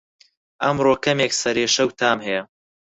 ئەمڕۆ کەمێک سەرئێشه و تام هەیە